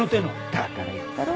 だから言ったろ？